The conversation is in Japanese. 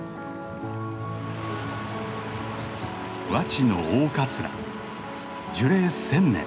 和池の大カツラ樹齢１，０００年。